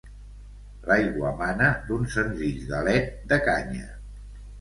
L'aigua mana d'un senzill galet de canya.